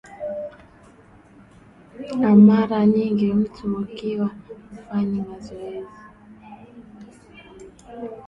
a mara nyingi mtu ukiwa hufanyi mazoezi